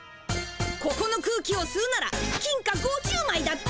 ここの空気をすうなら金貨５０まいだって。